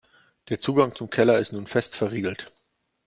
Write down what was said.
Der Zugang zum Keller ist nun fest verriegelt.